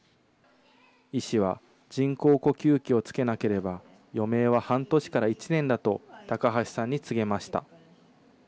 医師は、人工呼吸器を付けなければ、余命は半年から１年だと、高橋さんに告げました。